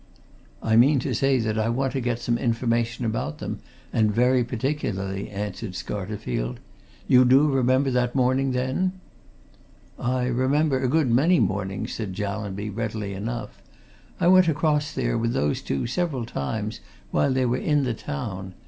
"I mean to say that I want to get some information about them, and very particularly," answered Scarterfield. "You do remember that morning, then?" "I remember a good many mornings," said Jallanby, readily enough. "I went across there with those two several times while they were in the town.